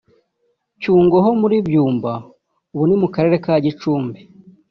Cyungo ho muri Byumba (Ubu ni mu Karere ka Gicumbi)